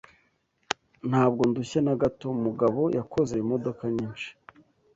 Ntabwo ndushye na gato. Mugabo yakoze imodoka nyinshi.